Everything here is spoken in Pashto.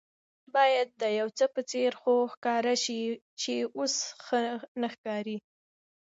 باید د یوڅه په څېر خو ښکاره شي چې اوس ښه نه ښکاري.